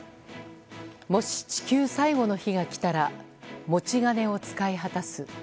もし地球最後の日が来たら「持ち金を使い果たす」。